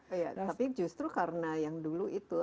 iya tapi justru karena yang dulu itu